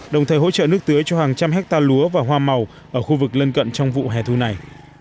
đồng thời hỗ trợ nước tưới cho hàng trăm ha lúa và hoa màu ở khu vực lân cận trong vụ hẻ thù này